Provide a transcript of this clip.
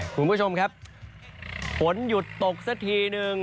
คุณผู้ชมครับฝนหยุดตกสักทีนึง